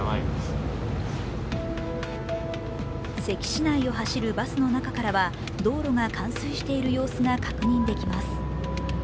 関市内を走るバスの中からは道路が冠水している様子が確認できます。